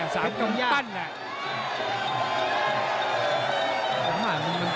สารกำตั้นแหละ